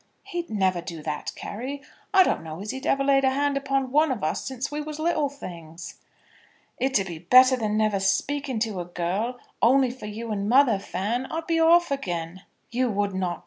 "He'll never do that, Carry. I don't know as he ever laid a hand upon one of us since we was little things." "It 'd be better than never speaking to a girl. Only for you and mother, Fan, I'd be off again." "You would not.